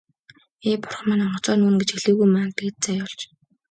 Ээ, бурхан минь, онгоцоор нүүнэ гэж хэлээгүй маань л дээд заяа болж.